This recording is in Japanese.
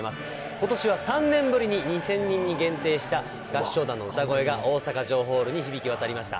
ことしは３年ぶりに２０００人に限定した合唱団の歌声が大阪城ホールに響き渡りました。